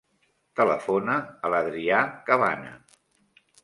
Telefona a l'Adrià Cabana.